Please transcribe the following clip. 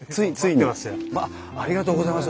ありがとうございます。